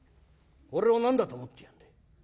俺を何だと思ってやんだい。